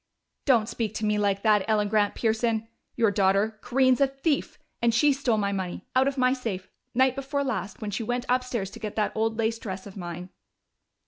"Don't speak to me like that, Ellen Grant Pearson! Your daughter Corinne's a thief and she stole my money, out of my safe. Night before last, when she went upstairs to get that old lace dress of mine."